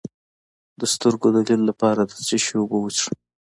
د سترګو د لید لپاره د څه شي اوبه وڅښم؟